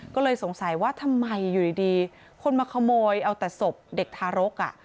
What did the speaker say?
ก็เลยสงสัยว่าทำไมคนมาขโมยเพียงศพเด็กทารก